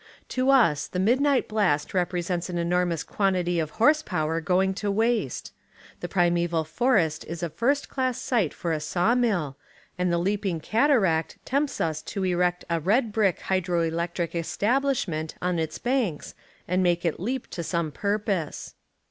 To us the midnight blast represents an enormous quantity of horse power going to waste; the primeval forest is a first class site for a saw mill, and the leaping cataract tempts us to erect a red brick hydro electric establish ment on its banks and make it leap to some purpose.